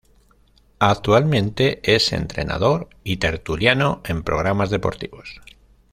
Actualmente es entrenador y tertuliano en programas deportivos.